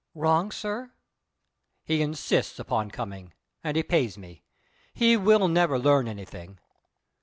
"Wrong, sir?" "He insists upon coming; and he pays me. He will never learn anything.